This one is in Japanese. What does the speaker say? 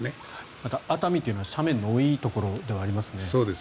また、熱海というのは斜面の多いところではあります。